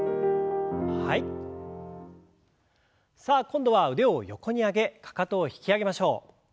さあ今度は腕を横に上げかかとを引き上げましょう。